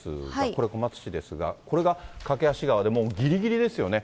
これ、小松市ですが、これが梯川で、もうぎりぎりですよね。